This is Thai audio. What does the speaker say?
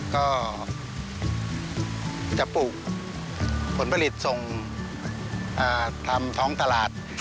ก็จะปลูกผลผลิตส่งทำท้องตลาด